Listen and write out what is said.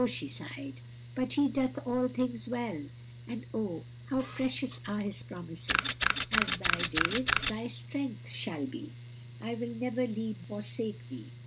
she sighed. "'But He doeth all things well,' and oh how precious are His promises! 'As thy days thy strength shall be.' 'I will never leave thee nor forsake thee.'